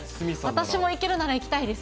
私行けるなら行きたいです。